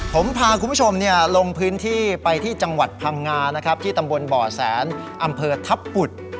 ผมพาคุณผู้ชมลงพื้นที่ไปที่จังหวัดพังงานะครับที่ตำบลบ่อแสนอำเภอทัพบุตร